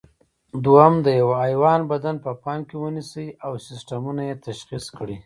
دوهم: د یوه حیوان بدن په پام کې ونیسئ او سیسټمونه یې تشخیص کړئ.